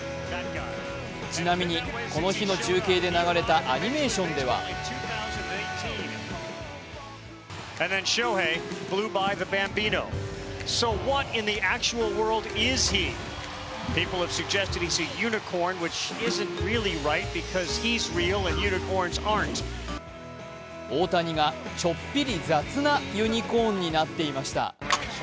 ちなみにこの日の中継で流れたアニメーションでは大谷がちょっぴり雑なユニコーンになっていました。